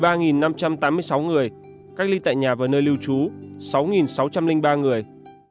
trong đó cách ly tại nhà và nơi lưu trú sáu sáu trăm linh ba người cách ly tại nhà và nơi lưu trú sáu sáu trăm linh ba người